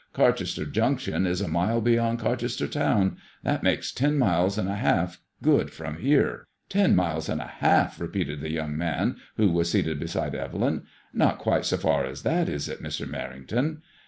Carchester Jimction is a mile beyond Carchester town ; that makes ten miles and a half good from here.'* Ten miles and a half I " repeated the young man who was seated beside Evelyn. Not quite so frir as that, is it, Mr. Merrington